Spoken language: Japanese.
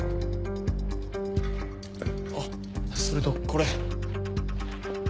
あっそれとこれ。